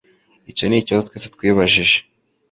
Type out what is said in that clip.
Icyo nikibazo twese twibajije.